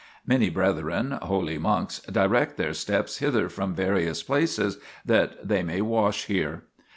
Many brethren, holy monks, direct their steps hither from various places that they may wash there."